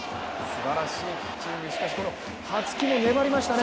すばらしいピッチング、しかしこの羽月も粘りましたね。